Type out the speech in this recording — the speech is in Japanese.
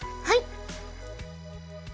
はい！